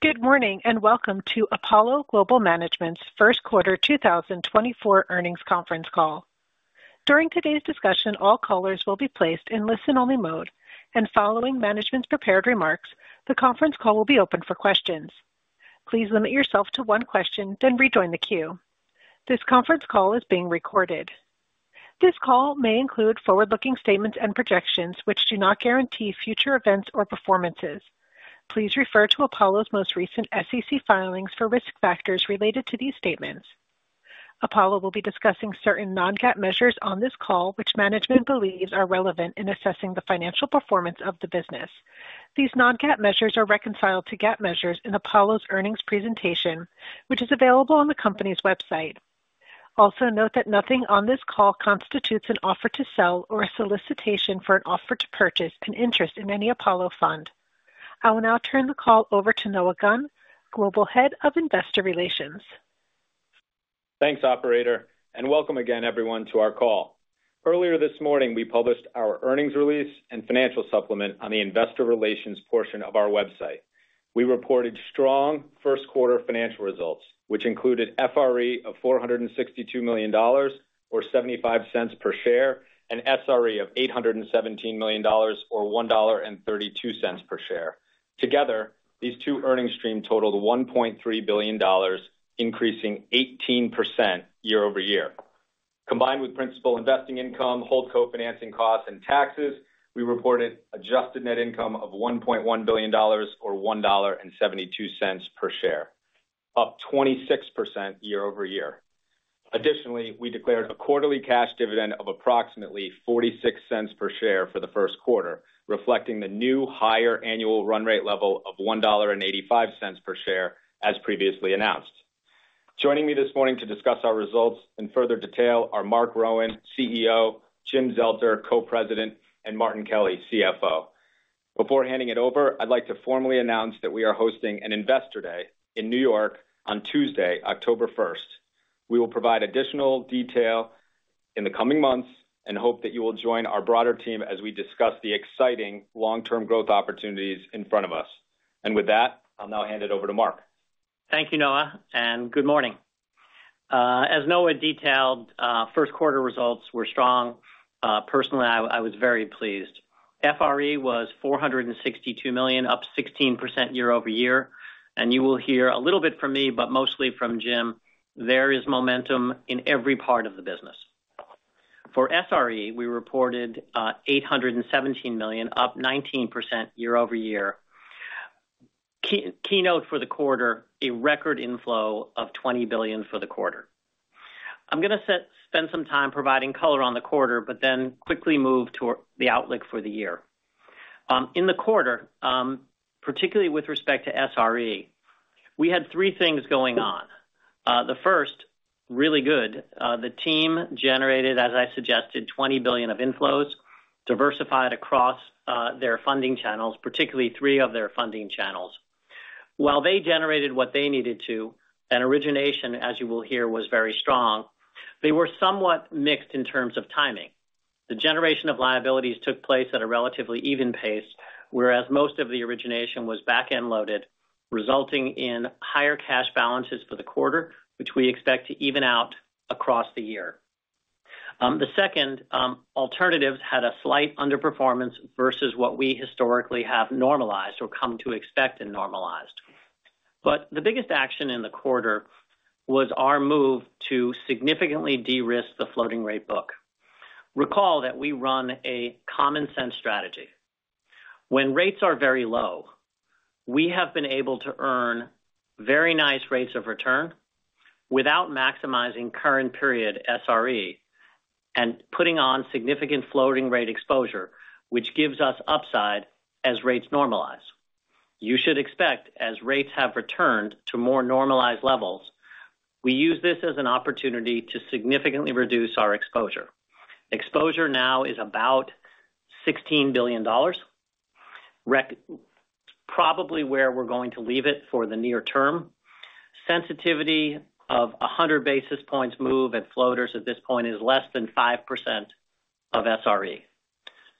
Good morning, and welcome to Apollo Global Management's Q1 2024 Earnings Conference Call. During today's discussion, all callers will be placed in listen-only mode, and following management's prepared remarks, the conference call will be open for questions. Please limit yourself to one question, then rejoin the queue. This conference call is being recorded. This call may include forward-looking statements and projections which do not guarantee future events or performances. Please refer to Apollo's most recent SEC filings for risk factors related to these statements. Apollo will be discussing certain non-GAAP measures on this call, which management believes are relevant in assessing the financial performance of the business. These non-GAAP measures are reconciled to GAAP measures in Apollo's earnings presentation, which is available on the company's website. Also, note that nothing on this call constitutes an offer to sell or a solicitation for an offer to purchase an interest in any Apollo fund. I will now turn the call over to Noah Gunn, Global Head of Investor Relations. Thanks, operator, and welcome again, everyone, to our call. Earlier this morning, we published our earnings release and financial supplement on the investor relations portion of our website. We reported strong Q1 financial results, which included FRE of $462 million or $0.75 per share, and SRE of $817 million, or $1.32 per share. Together, these two earnings stream totaled $1.3 billion, increasing 18% year-over-year. Combined with principal investing income, HoldCo financing costs and taxes, we reported adjusted net income of $1.1 billion or $1.72 per share, up 26% year-over-year. Additionally, we declared a quarterly cash dividend of approximately $0.46 per share for the Q1, reflecting the new higher annual run rate level of $1.85 per share, as previously announced. Joining me this morning to discuss our results in further detail are Marc Rowan, CEO, Jim Zelter, Co-President, and Martin Kelly, CFO. Before handing it over, I'd like to formally announce that we are hosting an Investor Day in New York on Tuesday, October 1st. We will provide additional detail in the coming months and hope that you will join our broader team as we discuss the exciting long-term growth opportunities in front of us. With that, I'll now hand it over to Marc. Thank you, Noah, and good morning. As Noah detailed, Q1 results were strong. Personally, I was very pleased. FRE was $462 million, up 16% year-over-year, and you will hear a little bit from me, but mostly from Jim. There is momentum in every part of the business. For SRE, we reported $817 million, up 19% year-over-year. Keynote for the quarter, a record inflow of $20 billion for the quarter. I'm gonna spend some time providing color on the quarter, but then quickly move to the outlook for the year. In the quarter, particularly with respect to SRE, we had three things going on. The first, really good. The team generated, as I suggested, $20 billion of inflows, diversified across their funding channels, particularly three of their funding channels. While they generated what they needed to, and origination, as you will hear, was very strong, they were somewhat mixed in terms of timing. The generation of liabilities took place at a relatively even pace, whereas most of the origination was back-end loaded, resulting in higher cash balances for the quarter, which we expect to even out across the year. The second, alternatives had a slight underperformance versus what we historically have normalized or come to expect and normalized. But the biggest action in the quarter was our move to significantly de-risk the floating rate book. Recall that we run a common sense strategy. When rates are very low, we have been able to earn very nice rates of return without maximizing current period SRE and putting on significant floating rate exposure, which gives us upside as rates normalize. You should expect, as rates have returned to more normalized levels, we use this as an opportunity to significantly reduce our exposure. Exposure now is about $16 billion. Probably where we're going to leave it for the near term. Sensitivity of 100 basis points move at floaters at this point is less than 5% of SRE.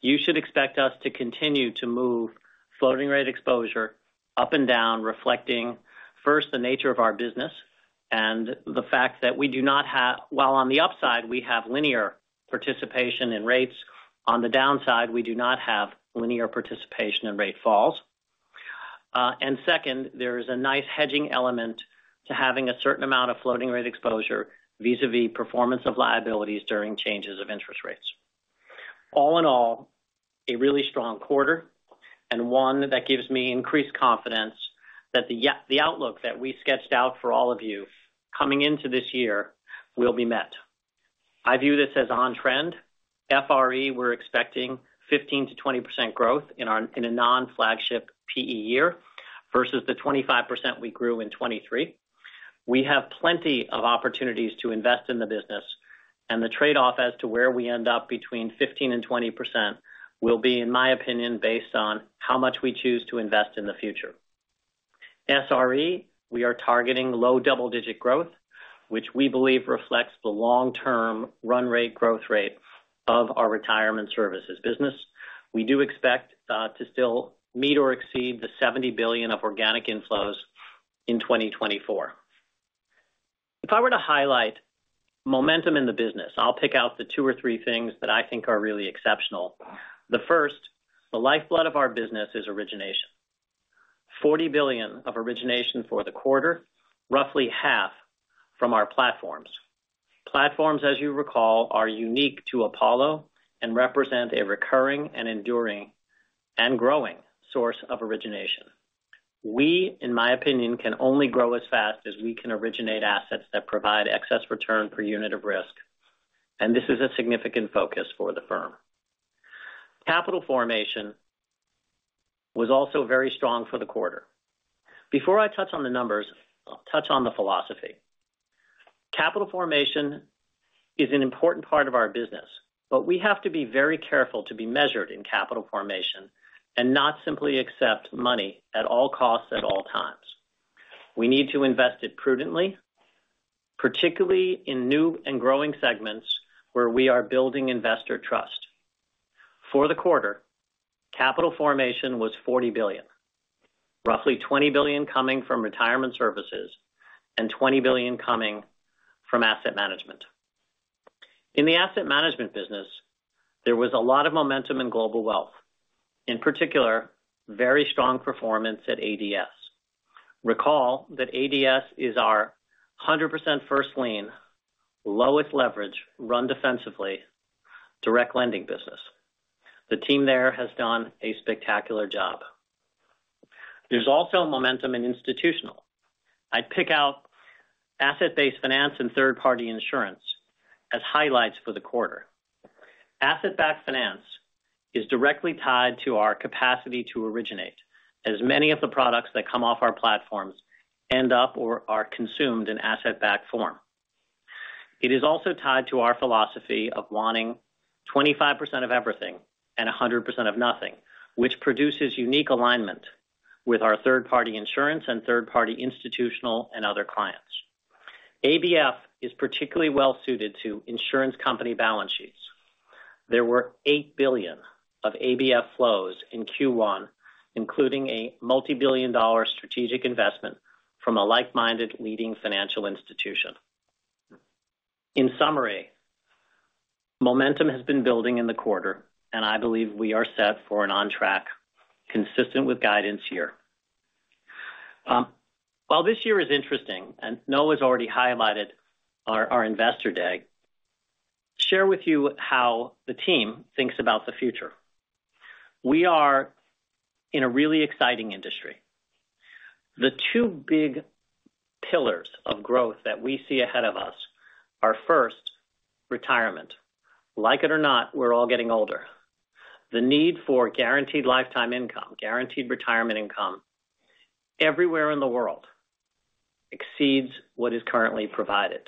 You should expect us to continue to move floating rate exposure up and down, reflecting first, the nature of our business and the fact that we do not have... While on the upside, we have linear participation in rates. On the downside, we do not have linear participation in rate falls. And second, there is a nice hedging element to having a certain amount of floating rate exposure vis-a-vis performance of liabilities during changes of interest rates. All in all, a really strong quarter, and one that gives me increased confidence that the outlook that we sketched out for all of you coming into this year will be met. I view this as on trend. FRE, we're expecting 15%-20% growth in our-- in a non-flagship PE year versus the 25% we grew in 2023. We have plenty of opportunities to invest in the business, and the trade-off as to where we end up between 15% and 20% will be, in my opinion, based on how much we choose to invest in the future. SRE, we are targeting low double-digit growth. which we believe reflects the long-term run rate growth rate of our retirement services business. We do expect to still meet or exceed the $70 billion of organic inflows in 2024. If I were to highlight momentum in the business, I'll pick out the two or three things that I think are really exceptional. The first, the lifeblood of our business is origination. $40 billion of origination for the quarter, roughly half from our platforms. Platforms, as you recall, are unique to Apollo and represent a recurring and enduring and growing source of origination. We, in my opinion, can only grow as fast as we can originate assets that provide excess return per unit of risk, and this is a significant focus for the firm. Capital formation was also very strong for the quarter. Before I touch on the numbers, I'll touch on the philosophy. Capital formation is an important part of our business, but we have to be very careful to be measured in capital formation and not simply accept money at all costs, at all times. We need to invest it prudently, particularly in new and growing segments where we are building investor trust. For the quarter, capital formation was $40 billion, roughly $20 billion coming from retirement services and $20 billion coming from asset management. In the asset management business, there was a lot of momentum in global wealth, in particular, very strong performance at ADS. Recall that ADS is our 100% first lien, lowest leverage, run defensively, direct lending business. The team there has done a spectacular job. There's also momentum in institutional. I'd pick out asset-based finance and third-party insurance as highlights for the quarter. Asset-backed finance is directly tied to our capacity to originate, as many of the products that come off our platforms end up or are consumed in asset-backed form. It is also tied to our philosophy of wanting 25% of everything and 100% of nothing, which produces unique alignment with our third-party insurance and third-party institutional and other clients. ABF is particularly well suited to insurance company balance sheets. There were $8 billion of ABF flows in Q1, including a multi-billion-dollar strategic investment from a like-minded leading financial institution. In summary, momentum has been building in the quarter, and I believe we are set for an on track consistent with guidance here. While this year is interesting, and Noah has already highlighted our investor day, share with you how the team thinks about the future. We are in a really exciting industry. The two big pillars of growth that we see ahead of us are, first, retirement. Like it or not, we're all getting older. The need for guaranteed lifetime income, guaranteed retirement income, everywhere in the world exceeds what is currently provided.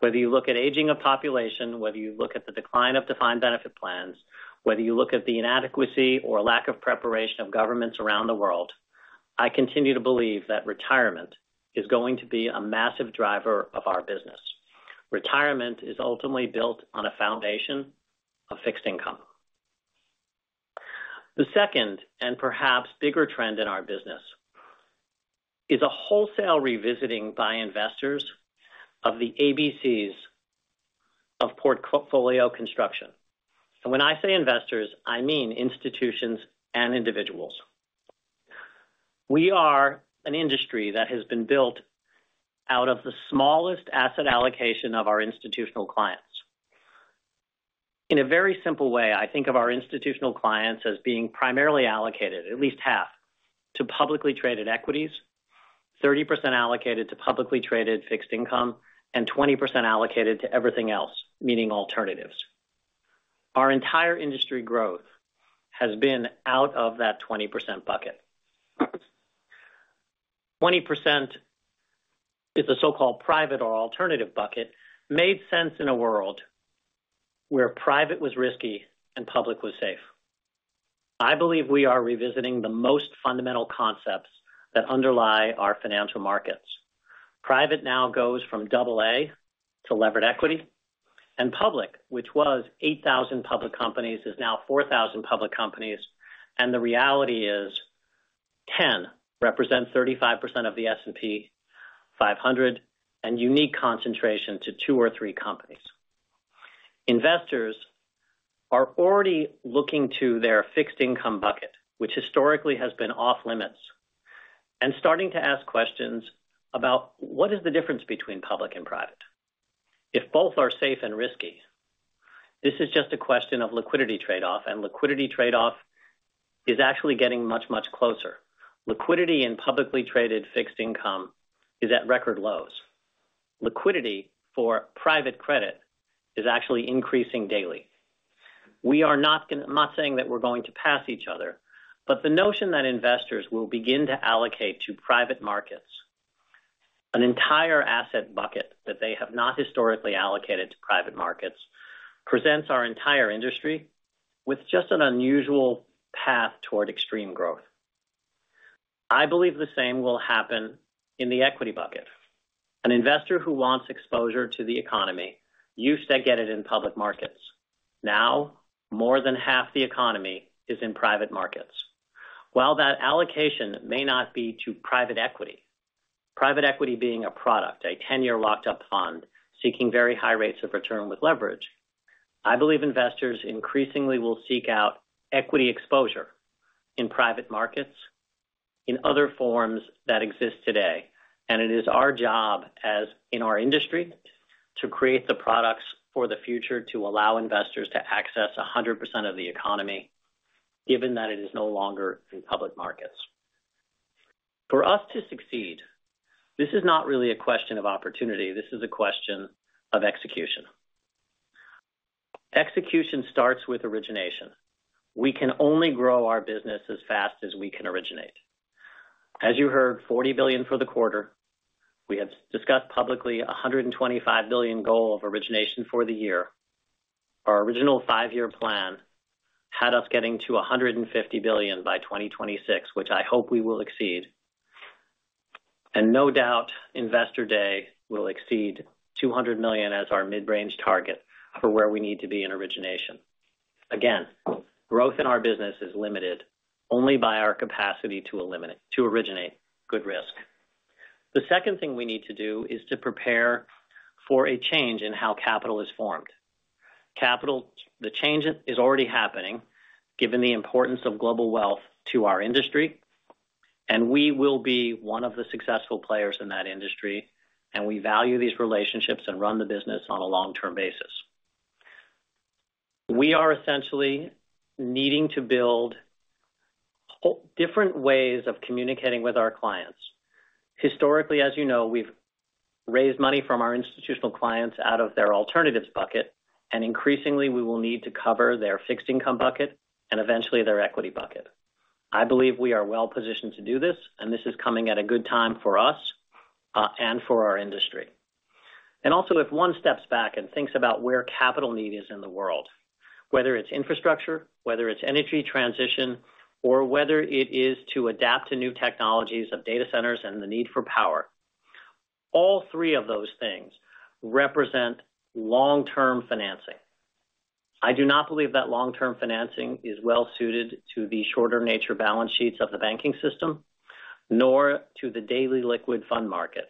Whether you look at aging of population, whether you look at the decline of defined benefit plans, whether you look at the inadequacy or lack of preparation of governments around the world, I continue to believe that retirement is going to be a massive driver of our business. Retirement is ultimately built on a foundation of fixed income. The second, and perhaps bigger trend in our business, is a wholesale revisiting by investors of the ABCs of portfolio construction. And when I say investors, I mean institutions and individuals. We are an industry that has been built out of the smallest asset allocation of our institutional clients. In a very simple way, I think of our institutional clients as being primarily allocated, at least 50%, to publicly traded equities, 30% allocated to publicly traded fixed income, and 20% allocated to everything else, meaning alternatives. Our entire industry growth has been out of that 20% bucket. 20% is the so-called private or alternative bucket, made sense in a world where private was risky and public was safe. I believe we are revisiting the most fundamental concepts that underlie our financial markets. Private now goes from double A to levered equity, and public, which was 8,000 public companies, is now 4,000 public companies, and the reality is 10 represents 35% of the S&P 500, and unique concentration to two or three companies. Investors are already looking to their fixed income bucket, which historically has been off-limits, and starting to ask questions about: what is the difference between public and private? If both are safe and risky, this is just a question of liquidity trade-off, and liquidity trade-off is actually getting much, much closer. Liquidity in publicly traded fixed income is at record lows. Liquidity for private credit is actually increasing daily. We are not gonna. I'm not saying that we're going to pass each other, but the notion that investors will begin to allocate to private markets, an entire asset bucket that they have not historically allocated to private markets, presents our entire industry with just an unusual path toward extreme growth.... I believe the same will happen in the equity bucket. An investor who wants exposure to the economy used to get it in public markets. Now, more than half the economy is in private markets. While that allocation may not be to private equity, private equity being a product, a 10-year locked up fund seeking very high rates of return with leverage, I believe investors increasingly will seek out equity exposure in private markets, in other forms that exist today, and it is our job as—in our industry, to create the products for the future to allow investors to access 100% of the economy, given that it is no longer in public markets. For us to succeed, this is not really a question of opportunity, this is a question of execution. Execution starts with origination. We can only grow our business as fast as we can originate. As you heard, $40 billion for the quarter. We have discussed publicly a $125 billion goal of origination for the year. Our original five-year plan had us getting to $150 billion by 2026, which I hope we will exceed. And no doubt, Investor Day will exceed $200 million as our mid-range target for where we need to be in origination. Again, growth in our business is limited only by our capacity to originate good risk. The second thing we need to do is to prepare for a change in how capital is formed. Capital. The change is already happening, given the importance of global wealth to our industry, and we will be one of the successful players in that industry, and we value these relationships and run the business on a long-term basis. We are essentially needing to build whole different ways of communicating with our clients. Historically, as you know, we've raised money from our institutional clients out of their alternatives bucket, and increasingly we will need to cover their fixed income bucket and eventually their equity bucket. I believe we are well positioned to do this, and this is coming at a good time for us, and for our industry. Also, if one steps back and thinks about where capital need is in the world, whether it's infrastructure, whether it's energy transition, or whether it is to adapt to new technologies of data centers and the need for power, all three of those things represent long-term financing. I do not believe that long-term financing is well suited to the shorter nature balance sheets of the banking system, nor to the daily liquid fund market.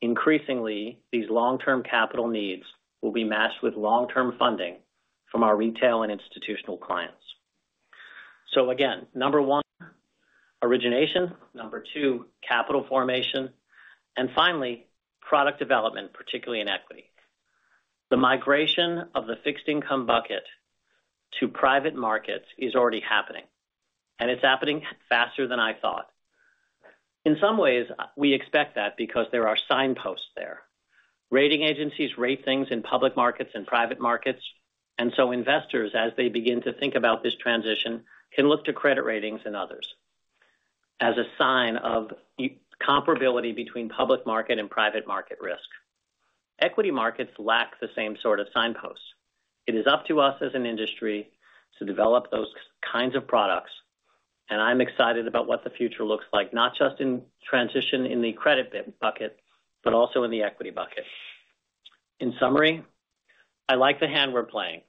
Increasingly, these long-term capital needs will be matched with long-term funding from our retail and institutional clients. So again, number one, origination. Number two, capital formation. And finally, product development, particularly in equity. The migration of the fixed income bucket to private markets is already happening, and it's happening faster than I thought. In some ways, we expect that because there are signposts there. Rating agencies rate things in public markets and private markets, and so investors, as they begin to think about this transition, can look to credit ratings and others as a sign of comparability between public market and private market risk. Equity markets lack the same sort of signposts. It is up to us as an industry to develop those kinds of products, and I'm excited about what the future looks like, not just in transition in the credit bucket, but also in the equity bucket. In summary, I like the hand we're playing.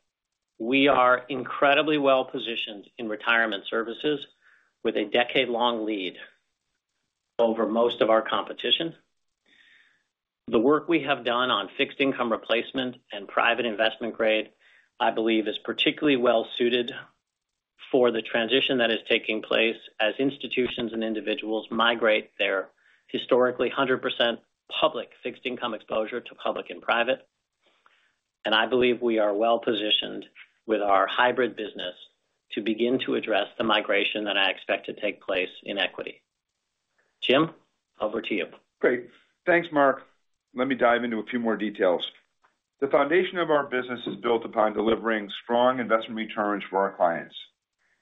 We are incredibly well positioned in retirement services with a decade-long lead over most of our competition. The work we have done on fixed income replacement and private investment grade, I believe, is particularly well suited for the transition that is taking place as institutions and individuals migrate their historically 100% public fixed income exposure to public and private. And I believe we are well positioned with our hybrid business to begin to address the migration that I expect to take place in equity. Jim, over to you. Great. Thanks, Mark. Let me dive into a few more details. The foundation of our business is built upon delivering strong investment returns for our clients,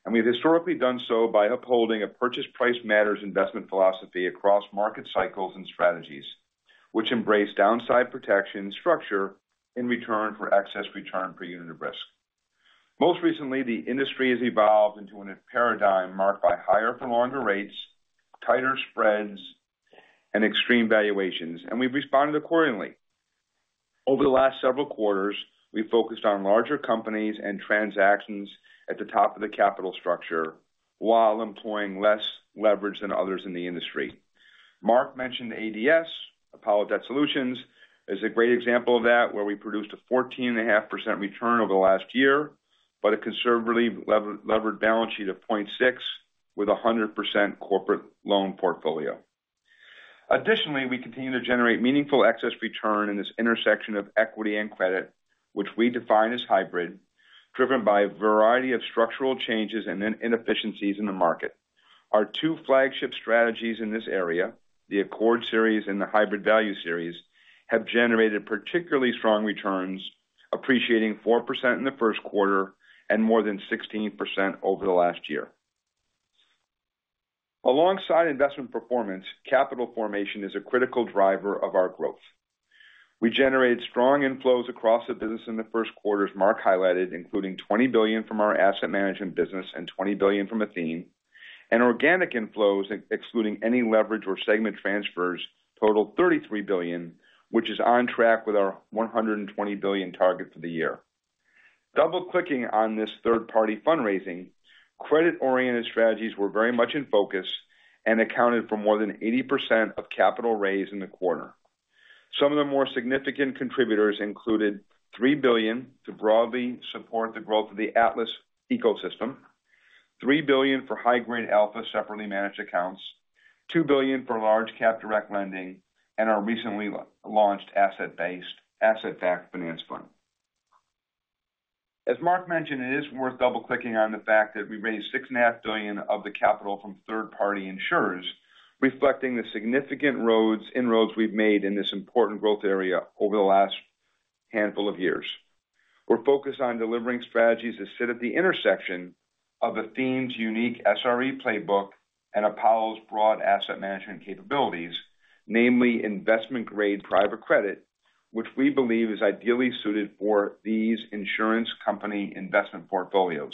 and we've historically done so by upholding a purchase price matters investment philosophy across market cycles and strategies, which embrace downside protection structure in return for excess return per unit of risk. Most recently, the industry has evolved into a paradigm marked by higher for longer rates, tighter spreads, and extreme valuations, and we've responded accordingly. Over the last several quarters, we focused on larger companies and transactions at the top of the capital structure while employing less leverage than others in the industry. Mark mentioned ADS, Apollo Debt Solutions, as a great example of that, where we produced a 14.5% return over the last year, but a conservatively levered balance sheet of 0.6, with a 100% corporate loan portfolio. Additionally, we continue to generate meaningful excess return in this intersection of equity and credit, which we define as hybrid, driven by a variety of structural changes and inefficiencies in the market. Our two flagship strategies in this area, the Accord Series and the Hybrid Value Series, have generated particularly strong returns, appreciating 4% in the Q1 and more than 16% over the last year. Alongside investment performance, capital formation is a critical driver of our growth. We generated strong inflows across the business in the Q1, as Mark highlighted, including $20 billion from our asset management business and $20 billion from Athene. Organic inflows, excluding any leverage or segment transfers, totaled $33 billion, which is on track with our $120 billion target for the year. Double-clicking on this third-party fundraising, credit-oriented strategies were very much in focus and accounted for more than 80% of capital raised in the quarter. Some of the more significant contributors included $3 billion to broadly support the growth of the Atlas ecosystem, $3 billion for High Grade Alpha separately managed accounts, $2 billion for large cap direct lending, and our recently launched asset-based, asset-backed finance fund. As Mark mentioned, it is worth double clicking on the fact that we raised $6.5 billion of the capital from third-party insurers, reflecting the significant inroads we've made in this important growth area over the last handful of years. We're focused on delivering strategies that sit at the intersection of Athene's unique SRE playbook and Apollo's broad asset management capabilities, namely investment-grade private credit, which we believe is ideally suited for these insurance company investment portfolios.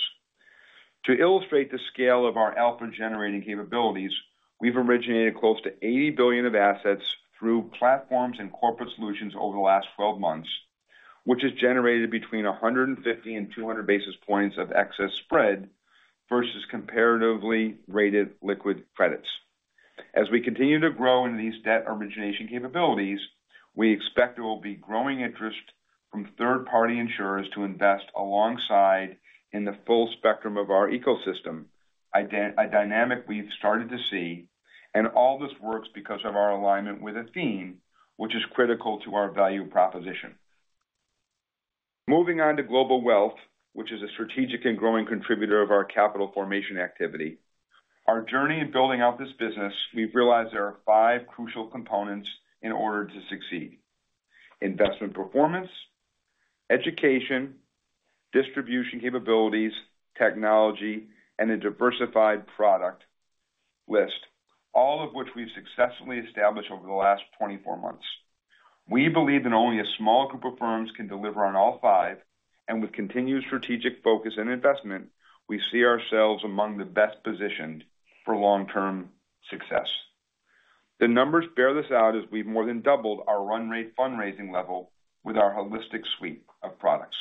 To illustrate the scale of our alpha-generating capabilities, we've originated close to $80 billion of assets through platforms and corporate solutions over the last 12 months, which has generated between 150 and 200 basis points of excess spread versus comparatively rated liquid credits. As we continue to grow in these debt origination capabilities, we expect there will be growing interest from third-party insurers to invest alongside in the full spectrum of our ecosystem, a dynamic we've started to see, and all this works because of our alignment with Athene, which is critical to our value proposition. Moving on to global wealth, which is a strategic and growing contributor of our capital formation activity. Our journey in building out this business, we've realized there are five crucial components in order to succeed: investment performance, education, distribution capabilities, technology, and a diversified product list, all of which we've successfully established over the last 24 months. We believe that only a small group of firms can deliver on all five, and with continued strategic focus and investment, we see ourselves among the best positioned for long-term success. The numbers bear this out as we've more than doubled our run rate fundraising level with our holistic suite of products.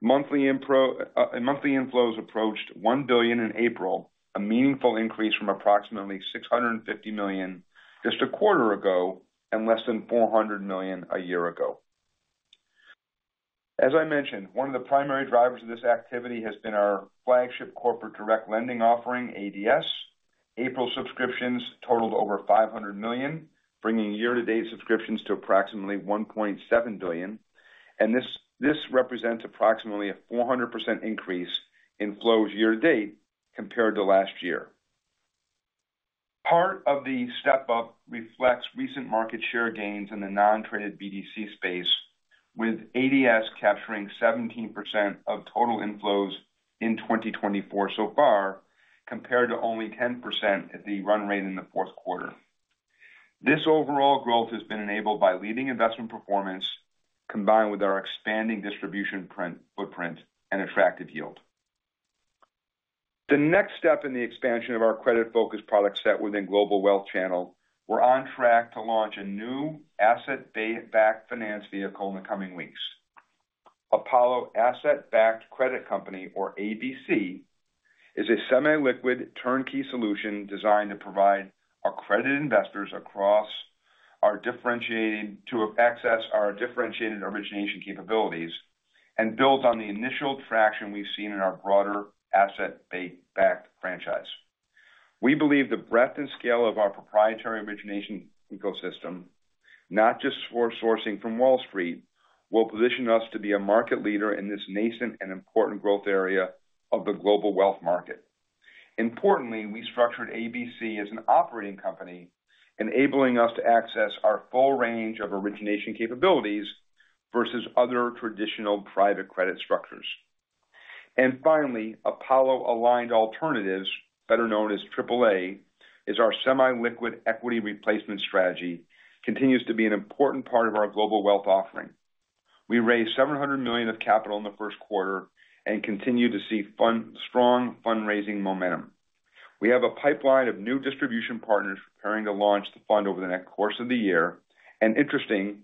Monthly inflows approached $1 billion in April, a meaningful increase from approximately $650 million just a quarter ago, and less than $400 million a year ago. As I mentioned, one of the primary drivers of this activity has been our flagship corporate direct lending offering, ADS. April subscriptions totaled over $500 million, bringing year-to-date subscriptions to approximately $1.7 billion, and this represents approximately a 400% increase in flows year to date compared to last year. Part of the step-up reflects recent market share gains in the non-traded BDC space, with ADS capturing 17% of total inflows in 2024 so far, compared to only 10% at the run rate in the Q4. This overall growth has been enabled by leading investment performance, combined with our expanding distribution footprint and attractive yield. The next step in the expansion of our credit-focused product set within Global Wealth Channel, we're on track to launch a new asset-backed finance vehicle in the coming weeks. Apollo Asset-Backed Credit Company, or ABC, is a semi-liquid turnkey solution designed to provide our credit investors across our differentiating... To access our differentiated origination capabilities and builds on the initial traction we've seen in our broader asset-backed franchise. We believe the breadth and scale of our proprietary origination ecosystem, not just for sourcing from Wall Street, will position us to be a market leader in this nascent and important growth area of the global wealth market. Importantly, we structured ABC as an operating company, enabling us to access our full range of origination capabilities versus other traditional private credit structures. And finally, Apollo Aligned Alternatives, better known as Triple A, is our semi-liquid equity replacement strategy, continues to be an important part of our global wealth offering. We raised $700 million of capital in the Q1 and continue to see strong fundraising momentum. We have a pipeline of new distribution partners preparing to launch the fund over the next course of the year. And interestingly,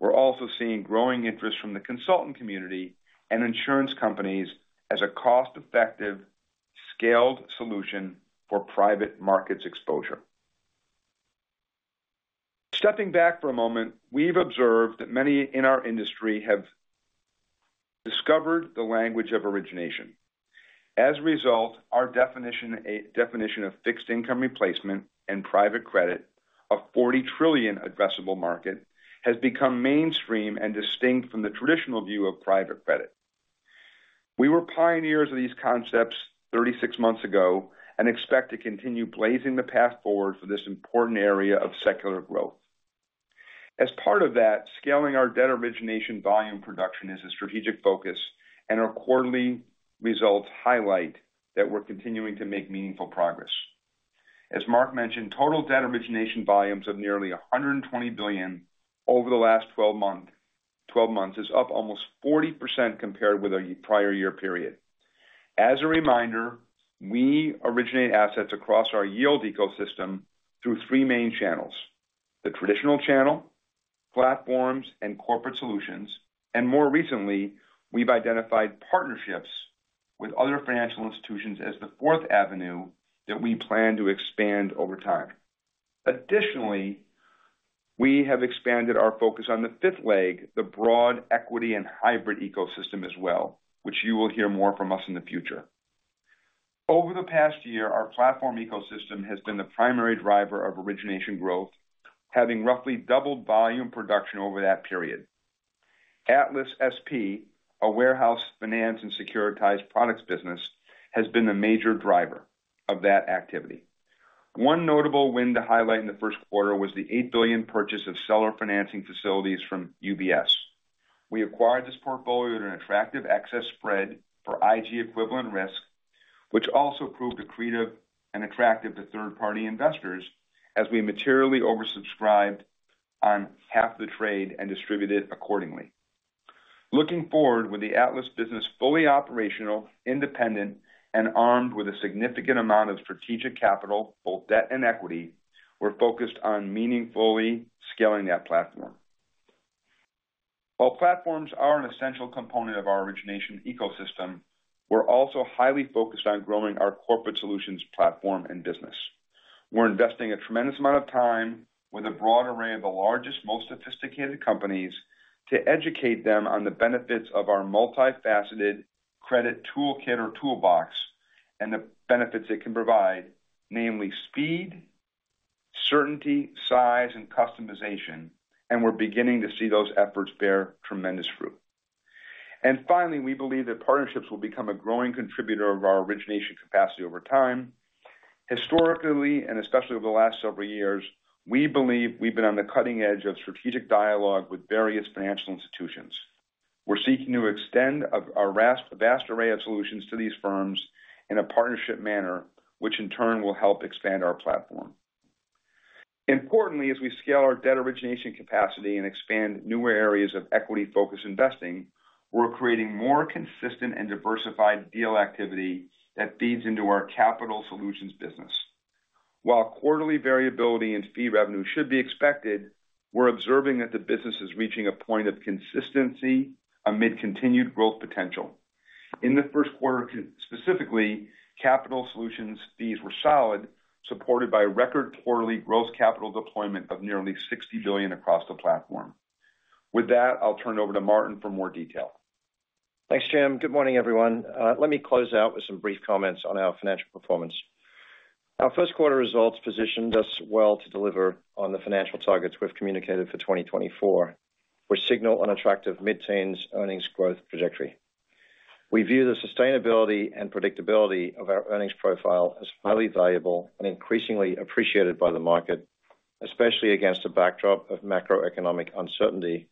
we're also seeing growing interest from the consultant community and insurance companies as a cost-effective, scaled solution for private markets exposure. Stepping back for a moment, we've observed that many in our industry have discovered the language of origination. As a result, our definition of fixed income replacement and private credit of $40 trillion addressable market has become mainstream and distinct from the traditional view of private credit. We were pioneers of these concepts 36 months ago and expect to continue blazing the path forward for this important area of secular growth. As part of that, scaling our debt origination volume production is a strategic focus, and our quarterly results highlight that we're continuing to make meaningful progress. As Mark mentioned, total debt origination volumes of nearly $120 billion over the last 12 months is up almost 40% compared with our prior year period. As a reminder, we originate assets across our yield ecosystem through three main channels: the traditional channel, platforms, and corporate solutions, and more recently, we've identified partnerships with other financial institutions as the fourth avenue that we plan to expand over time. Additionally, we have expanded our focus on the fifth leg, the broad equity and hybrid ecosystem as well, which you will hear more from us in the future. Over the past year, our platform ecosystem has been the primary driver of origination growth, having roughly doubled volume production over that period. Atlas SP, a warehouse finance and securitized products business, has been the major driver of that activity. One notable win to highlight in the Q1 was the $8 billion purchase of seller financing facilities from UBS. We acquired this portfolio at an attractive excess spread for IG equivalent risk, which also proved accretive and attractive to third-party investors as we materially oversubscribed on half the trade and distributed accordingly. Looking forward, with the Atlas business fully operational, independent, and armed with a significant amount of strategic capital, both debt and equity, we're focused on meaningfully scaling that platform. While platforms are an essential component of our origination ecosystem, we're also highly focused on growing our corporate solutions platform and business. We're investing a tremendous amount of time with a broad array of the largest, most sophisticated companies to educate them on the benefits of our multifaceted credit toolkit or toolbox, and the benefits it can provide, namely speed, certainty, size, and customization, and we're beginning to see those efforts bear tremendous fruit. And finally, we believe that partnerships will become a growing contributor of our origination capacity over time. Historically, and especially over the last several years, we believe we've been on the cutting edge of strategic dialogue with various financial institutions. We're seeking to extend our vast, vast array of solutions to these firms in a partnership manner, which in turn will help expand our platform. Importantly, as we scale our debt origination capacity and expand newer areas of equity-focused investing, we're creating more consistent and diversified deal activity that feeds into our capital solutions business. While quarterly variability in fee revenue should be expected, we're observing that the business is reaching a point of consistency amid continued growth potential. In the Q1, specifically, capital solutions fees were solid, supported by record quarterly gross capital deployment of nearly $60 billion across the platform. With that, I'll turn it over to Martin for more detail. Thanks, Jim. Good morning, everyone. Let me close out with some brief comments on our financial performance. Our Q1 results positioned us well to deliver on the financial targets we've communicated for 2024, which signal an attractive mid-teens earnings growth trajectory. We view the sustainability and predictability of our earnings profile as highly valuable and increasingly appreciated by the market, especially against a backdrop of macroeconomic uncertainty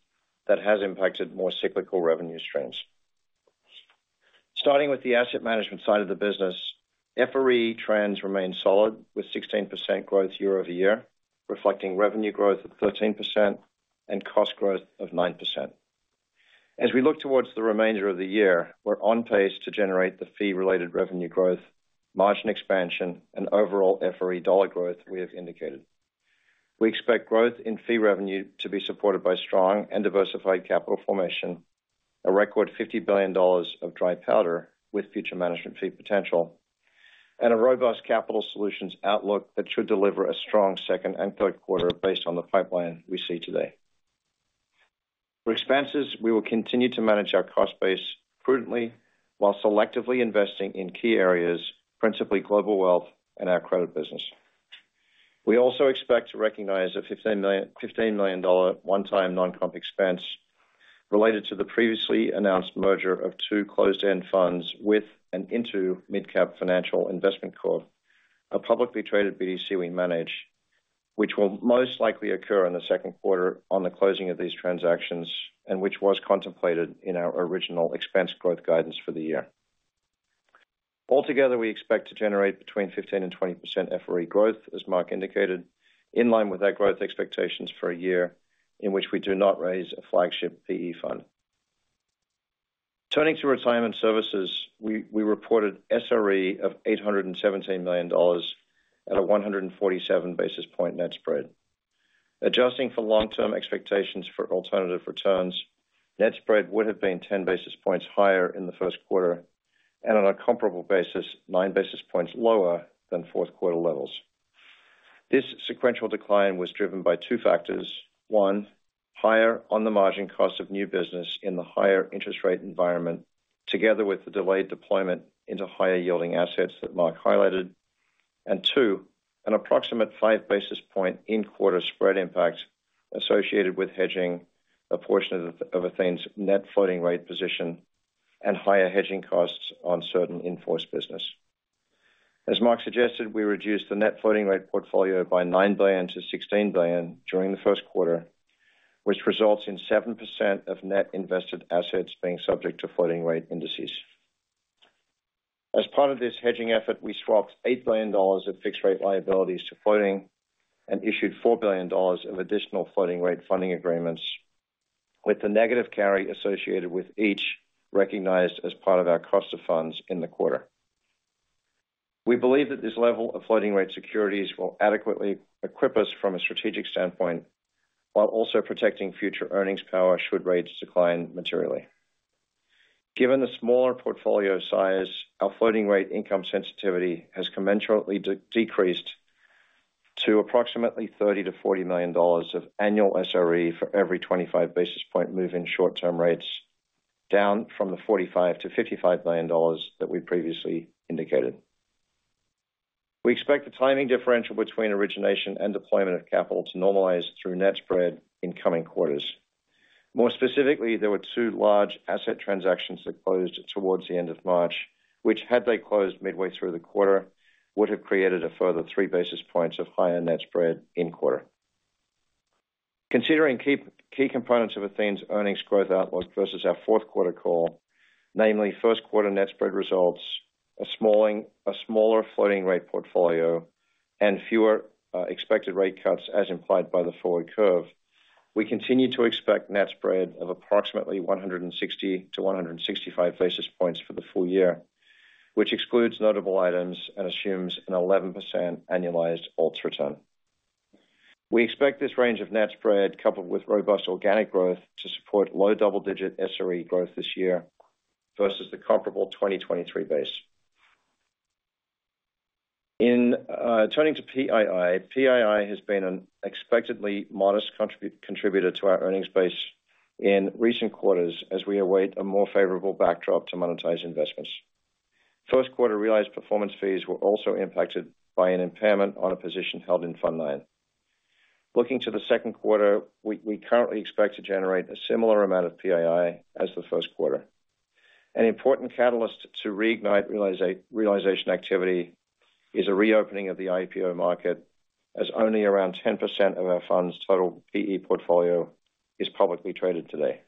that has impacted more cyclical revenue streams. Starting with the asset management side of the business, FRE trends remain solid, with 16% growth year-over-year, reflecting revenue growth of 13% and cost growth of 9%. As we look towards the remainder of the year, we're on pace to generate the fee-related revenue growth, margin expansion, and overall FRE dollar growth we have indicated. We expect growth in fee revenue to be supported by strong and diversified capital formation, a record $50 billion of dry powder with future management fee potential, and a robust capital solutions outlook that should deliver a strong second and Q3 based on the pipeline we see today. For expenses, we will continue to manage our cost base prudently while selectively investing in key areas, principally global wealth and our credit business. We also expect to recognize a $15 million, $15 million dollar one-time non-comp expense related to the previously announced merger of two closed-end funds with and into MidCap Financial Investment Corp, a publicly traded BDC we manage, which will most likely occur in the Q2 on the closing of these transactions, and which was contemplated in our original expense growth guidance for the year. Altogether, we expect to generate between 15% and 20% FRE growth, as Mark indicated, in line with our growth expectations for a year in which we do not raise a flagship PE fund. Turning to retirement services, we reported SRE of $817 million at a 147 basis point net spread. Adjusting for long-term expectations for alternative returns, net spread would have been 10 basis points higher in the Q1, and on a comparable basis, 9 basis points lower than Q4 levels. This sequential decline was driven by two factors: one, higher on the margin cost of new business in the higher interest rate environment, together with the delayed deployment into higher-yielding assets that Mark highlighted. And two, an approximate five basis point in-quarter spread impact associated with hedging a portion of Athene's net floating rate position and higher hedging costs on certain in-force business. As Marc suggested, we reduced the net floating rate portfolio by $9 billion-$16 billion during the Q1, which results in 7% of net invested assets being subject to floating rate indices. As part of this hedging effort, we swapped $8 billion of fixed rate liabilities to floating and issued $4 billion of additional floating rate funding agreements, with the negative carry associated with each recognized as part of our cost of funds in the quarter. We believe that this level of floating rate securities will adequately equip us from a strategic standpoint, while also protecting future earnings power should rates decline materially. Given the smaller portfolio size, our floating rate income sensitivity has commensurately decreased to approximately $30 million-$40 million of annual SRE for every 25 basis point move in short-term rates, down from the $45 million-$55 million that we previously indicated. We expect the timing differential between origination and deployment of capital to normalize through net spread in coming quarters. More specifically, there were two large asset transactions that closed towards the end of March, which, had they closed midway through the quarter, would have created a further 3 basis points of higher net spread in quarter. Considering key components of Athene's earnings growth outlook versus our Q4 call, namely Q1 net spread results, a smaller floating rate portfolio and fewer expected rate cuts, as implied by the forward curve. We continue to expect net spread of approximately 160-165 basis points for the full year, which excludes notable items and assumes an 11% annualized ALTS return. We expect this range of net spread, coupled with robust organic growth, to support low double-digit SRE growth this year versus the comparable 2023 base. In turning to PII. PII has been an expectedly modest contributor to our earnings base in recent quarters as we await a more favorable backdrop to monetize investments. Q1 realized performance fees were also impacted by an impairment on a position held in Fund IX. Looking to the Q2, we currently expect to generate a similar amount of PII as the Q1. An important catalyst to reignite realization activity is a reopening of the IPO market, as only around 10% of our fund's total PE portfolio is publicly traded today.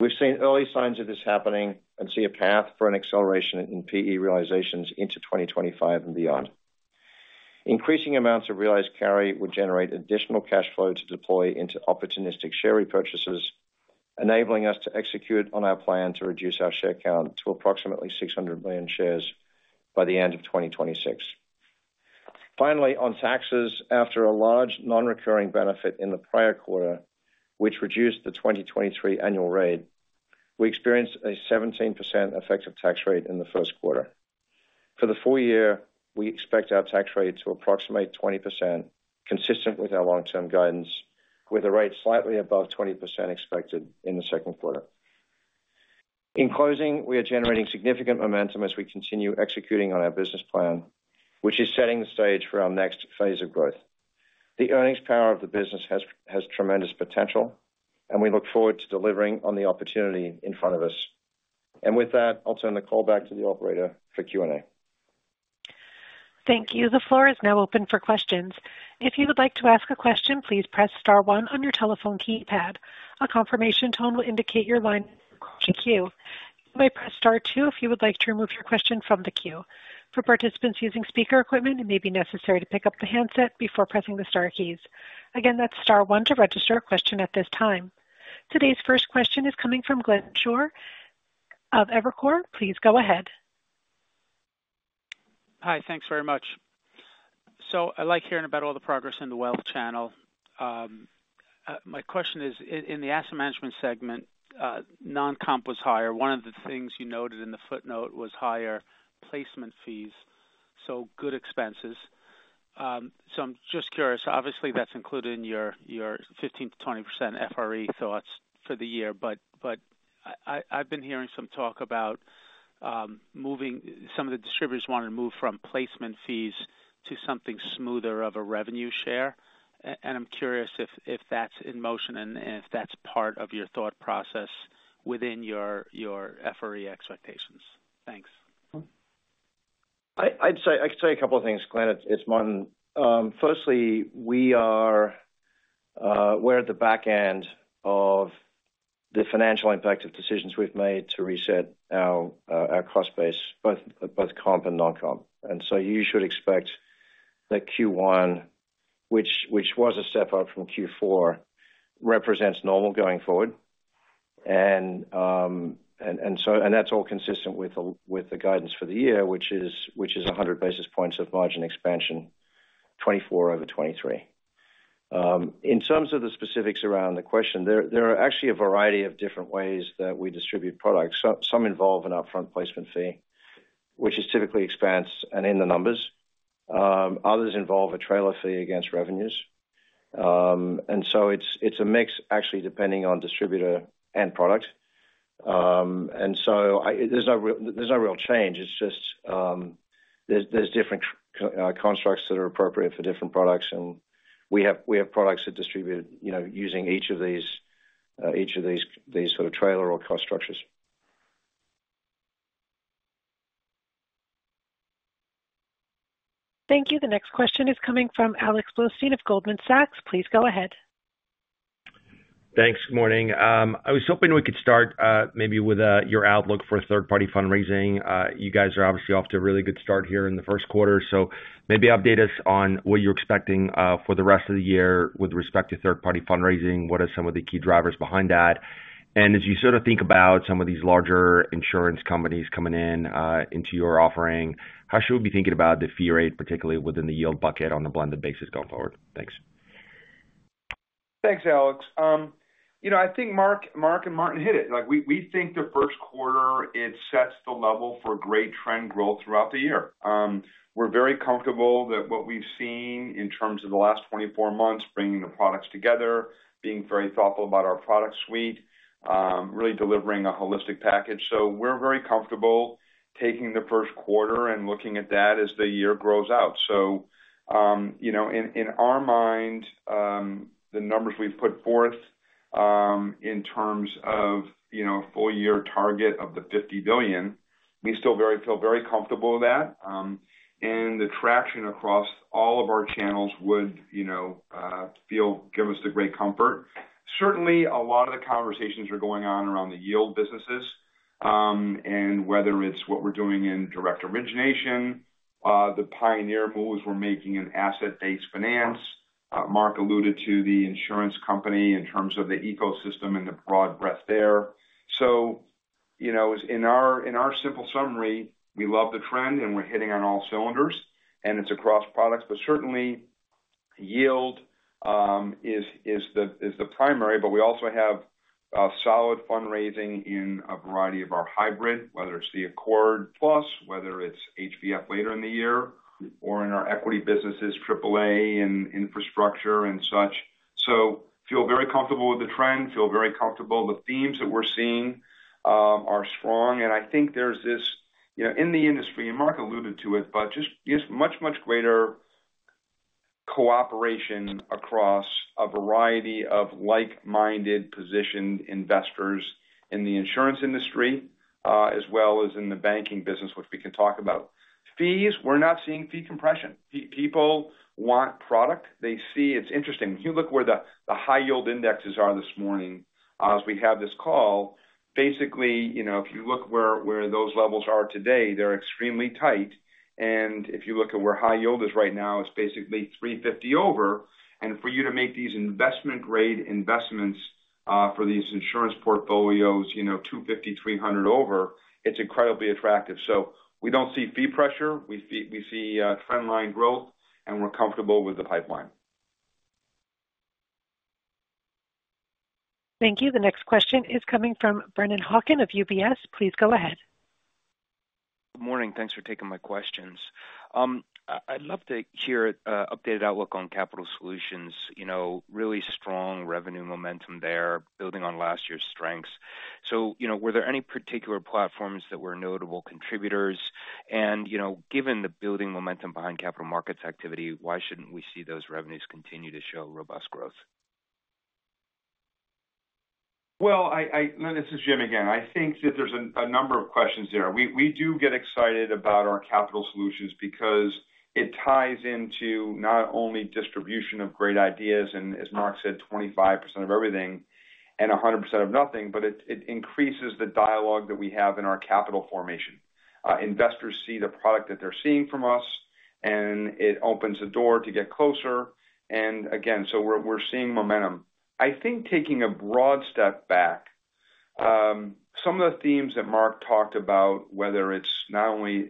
We've seen early signs of this happening and see a path for an acceleration in PE realizations into 2025 and beyond. Increasing amounts of realized carry would generate additional cash flow to deploy into opportunistic share repurchases, enabling us to execute on our plan to reduce our share count to approximately 600 million shares by the end of 2026. Finally, on taxes, after a large nonrecurring benefit in the prior quarter, which reduced the 2023 annual rate, we experienced a 17% effective tax rate in the Q1. For the full year, we expect our tax rate to approximate 20%, consistent with our long-term guidance, with a rate slightly above 20% expected in the Q2. In closing, we are generating significant momentum as we continue executing on our business plan, which is setting the stage for our next phase of growth. The earnings power of the business has tremendous potential, and we look forward to delivering on the opportunity in front of us. And with that, I'll turn the call back to the operator for Q&A. Thank you. The floor is now open for questions. If you would like to ask a question, please press star one on your telephone keypad. A confirmation tone will indicate your line in the queue. You may press star two if you would like to remove your question from the queue. For participants using speaker equipment, it may be necessary to pick up the handset before pressing the star keys. Again, that's star one to register a question at this time. Today's first question is coming from Glenn Schorr of Evercore. Please go ahead. Hi, thanks very much. So I like hearing about all the progress in the wealth channel. My question is, in the asset management segment, non-comp was higher. One of the things you noted in the footnote was higher placement fees, so good expenses. So I'm just curious. Obviously, that's included in your 15%-20% FRE thoughts for the year, but I, I've been hearing some talk about moving. Some of the distributors want to move from placement fees to something smoother of a revenue share. And I'm curious if that's in motion and if that's part of your thought process within your FRE expectations. Thanks. I'd say, I can tell you a couple of things, Glenn. It's Martin. Firstly, we are, we're at the back end of the financial impact of decisions we've made to reset our, our cost base, both comp and non-comp. And so you should expect that Q1, which was a step up from Q4, represents normal going forward. And so that's all consistent with the guidance for the year, which is 100 basis points of margin expansion, 2024 over 2023. In terms of the specifics around the question, there are actually a variety of different ways that we distribute products. Some involve an upfront placement fee, which is typically expense and in the numbers. Others involve a trailer fee against revenues. And so it's a mix actually, depending on distributor and product. And so there's no real change. It's just, there's different constructs that are appropriate for different products, and we have products that distribute, you know, using each of these sort of trailer or cost structures. Thank you. The next question is coming from Alex Blostein of Goldman Sachs. Please go ahead. Thanks. Good morning. I was hoping we could start maybe with your outlook for third-party fundraising. You guys are obviously off to a really good start here in the Q1, so maybe update us on what you're expecting for the rest of the year with respect to third-party fundraising. What are some of the key drivers behind that? And as you sort of think about some of these larger insurance companies coming in into your offering, how should we be thinking about the fee rate, particularly within the yield bucket on a blended basis going forward? Thanks. Thanks, Alex. You know, I think Marc, Marc, and Martin hit it. Like, we, we think the Q1, it sets the level for great trend growth throughout the year. We're very comfortable that what we've seen in terms of the last 24 months, bringing the products together, being very thoughtful about our product suite, really delivering a holistic package. So we're very comfortable taking the Q1 and looking at that as the year grows out. So, you know, in, in our mind, the numbers we've put forth, in terms of, you know, full year target of the $50 billion, we still very feel very comfortable with that. And the traction across all of our channels would, you know, feel... give us the great comfort. Certainly, a lot of the conversations are going on around the yield businesses, and whether it's what we're doing in direct origination, the pioneer moves we're making in asset-based finance. Marc alluded to the insurance company in terms of the ecosystem and the broad breadth there. So, you know, as in our, in our simple summary, we love the trend, and we're hitting on all cylinders, and it's across products, but certainly yield is the primary. But we also have a solid fundraising in a variety of our hybrid, whether it's the Accord Plus, whether it's HBF later in the year, or in our equity businesses, AAA and infrastructure and such. So feel very comfortable with the trend, feel very comfortable the themes that we're seeing are strong, and I think there's this, you know, in the industry, and Marc alluded to it, but just, just much, much greater cooperation across a variety of like-minded positioned investors in the insurance industry, as well as in the banking business, which we can talk about. Fees, we're not seeing fee compression. People want product. They see... It's interesting. If you look where the high yield indexes are this morning, as we have this call, basically, you know, if you look where those levels are today, they're extremely tight. And if you look at where high yield is right now, it's basically 350 over. And for you to make these investment grade investments, for these insurance portfolios, you know, 250, 300 over, it's incredibly attractive. So we don't see fee pressure. We see trend line growth, and we're comfortable with the pipeline. Thank you. The next question is coming from Brennan Hawken of UBS. Please go ahead. Good morning. Thanks for taking my questions. I'd love to hear updated outlook on capital solutions. You know, really strong revenue momentum there, building on last year's strengths. So, you know, were there any particular platforms that were notable contributors? And, you know, given the building momentum behind capital markets activity, why shouldn't we see those revenues continue to show robust growth? Well, this is Jim again. I think that there's a number of questions there. We do get excited about our capital solutions because it ties into not only distribution of great ideas and as Marc said, 25% of everything and 100% of nothing, but it increases the dialogue that we have in our capital formation. Investors see the product that they're seeing from us, and it opens the door to get closer. And again, so we're seeing momentum. I think, taking a broad step back, some of the themes that Marc talked about, whether it's not only,